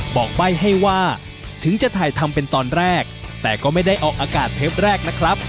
บอกใบ้ให้ว่าถึงจะถ่ายทำเป็นตอนแรกแต่ก็ไม่ได้ออกอากาศเทปแรกนะครับ